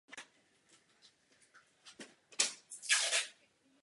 Pokračoval v držení postu místopředsedy parlamentu.